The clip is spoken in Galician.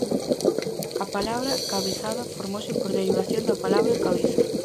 A palabra 'cabezada' formouse por derivación da palabra 'cabeza'.